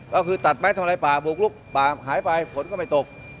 ก็คือตัดไม้ทำอะไรป่าบุกลุกป่าหายไปฝนก็ไม่ตก